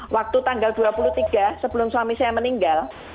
waktu tanggal dua puluh tiga sebelum suami saya meninggal